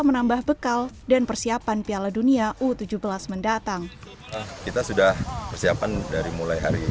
menambah bekal dan persiapan piala dunia u tujuh belas mendatang kita sudah persiapan dari mulai hari